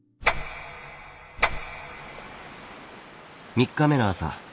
３日目の朝。